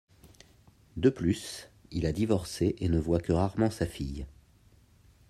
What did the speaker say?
De plus, il a divorcé et ne voit que rarement sa fille.